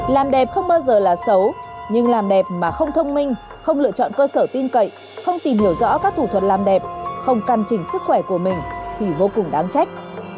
làm đẹp không bao giờ là xấu nhưng làm đẹp mà không thông minh không lựa chọn cơ sở tin cậy không tìm hiểu rõ các thủ thuật làm đẹp không căn chỉnh sức khỏe của mình thì vô cùng đáng trách